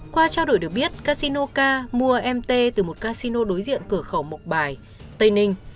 qua trao đổi được biết casinoca mua mt từ một casino đối diện cửa khẩu mộc bài tây ninh